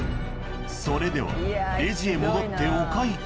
それではレジへ戻ってお会計。